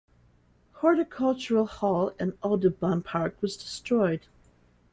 Horticultural Hall in Audubon Park was destroyed.